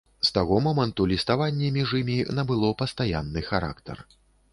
З таго моманту ліставанне між імі набыло пастаянны характар.